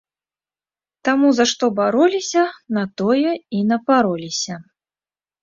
Таму за што бароліся, на тое і напароліся.